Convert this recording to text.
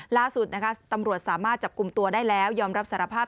ล่าสุดนะคะตำรวจสามารถจับกลุ่มตัวได้แล้วยอมรับสารภาพ